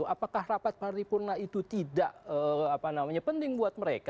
apakah rapat paripurna itu tidak penting buat mereka